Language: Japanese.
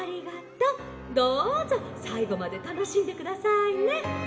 どうぞさいごまでたのしんでくださいね！